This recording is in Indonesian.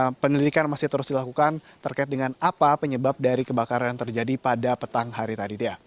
nah penyelidikan masih terus dilakukan terkait dengan apa penyebab dari kebakaran yang terjadi pada petang hari tadi